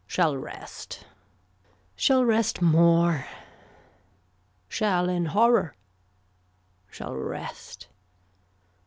Shall rest. Shall rest more. Shall in horror. Shall rest.